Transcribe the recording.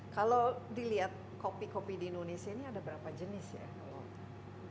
kalau dilihat kopi kopi di indonesia ini ada berapa jenis ya